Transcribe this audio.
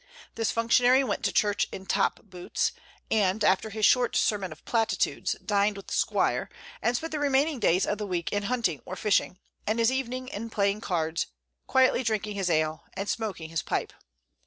This functionary went to church in top boots, and, after his short sermon of platitudes, dined with the squire, and spent the remaining days of the week in hunting or fishing, and his evenings in playing cards, quietly drinking his ale, and smoking his pipe.